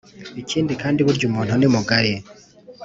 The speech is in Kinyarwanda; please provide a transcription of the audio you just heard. ikindi kandiburya umuntu ni mugari